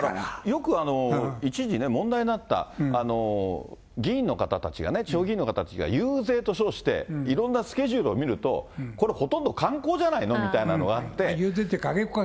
よく一時問題になった、議員の方たちがね、地方議員の方たちが遊説と称して、いろんなスケジュールを見ると、これほとんど、観光じゃないのみたいなのがあって。